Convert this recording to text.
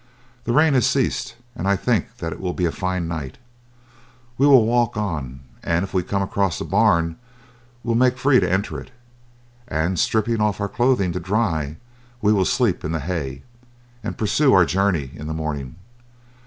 The rain has ceased, and I think that it will be a fine night; we will walk on, and if we come across a barn will make free to enter it, and stripping off our clothing to dry, will sleep in the hay, and pursue our journey in the morning.